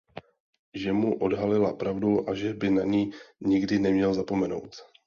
Že mu odhalila pravdu a že by na ni nikdy neměl zapomenout.